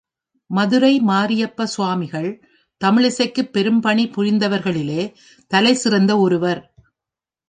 மதுரை மாரியப்ப சுவாமிகள் தமிழிசைக்குப் பெரும் பணி புரிந்தவர்களிலே தலைசிறந்த ஒருவர்.